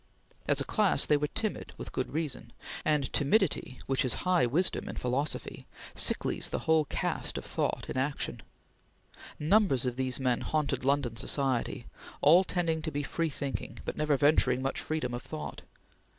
As a class, they were timid with good reason and timidity, which is high wisdom in philosophy, sicklies the whole cast of thought in action. Numbers of these men haunted London society, all tending to free thinking, but never venturing much freedom of thought.